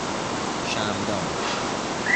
شمعدان